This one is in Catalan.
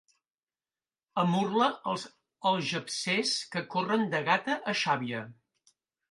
A Murla els algepsers que corren de Gata a Xàbia.